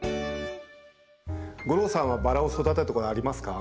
吾郎さんはバラを育てたことはありますか？